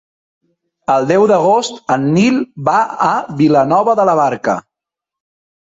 El deu d'agost en Nil va a Vilanova de la Barca.